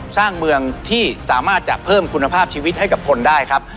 สร้างเมืองที่สามารถจะเพิ่มคุณภาพชีวิตให้กับคนได้ครับ